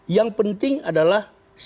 yang penting adalah sikap kami